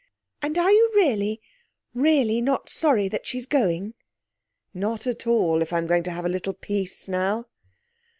And are you really, really not sorry that she's going?' 'Not at all, if I'm going to have a little peace now.'